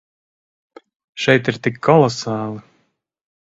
Šeit ir tik kolosāli.